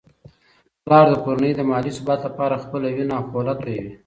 پلار د کورنی د مالي ثبات لپاره خپله وینه او خوله تویوي.